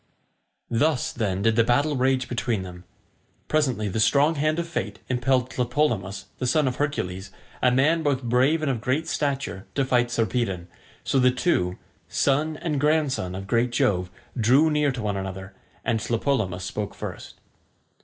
Thus, then, did the battle rage between them. Presently the strong hand of fate impelled Tlepolemus, the son of Hercules, a man both brave and of great stature, to fight Sarpedon; so the two, son and grandson of great Jove, drew near to one another, and Tlepolemus spoke first.